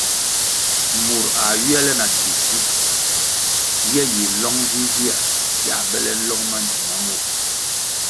Mur a ywia le na dzi si, ye yi nlong vivihya yā bele nlong ma ndzima mur.